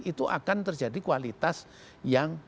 itu akan terjadi kualitas yang